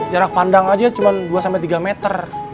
jarak pandang aja cuma dua sampai tiga meter